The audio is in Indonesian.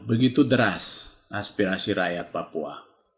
begitu deras aspirasi rakyat papua